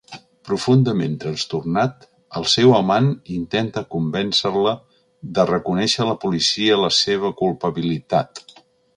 Profundament trastornat, el seu amant intenta convèncer-la de reconèixer a la policia la seva culpabilitat.